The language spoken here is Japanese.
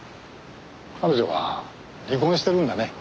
彼女は離婚してるんだね。